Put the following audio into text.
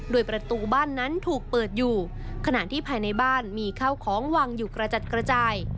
โดยประตูบ้านนั้นถูกเปิดอยู่ขณะที่ภายในบ้านมีข้าวของวางอยู่กระจัดกระจาย